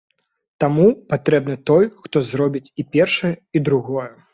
Таму патрэбны той, хто зробіць і першае, і другое.